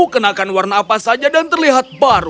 kenakan warna apa saja dan terlihat baru